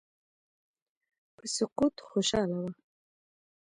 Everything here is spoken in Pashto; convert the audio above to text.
په سقوط خوشاله وه.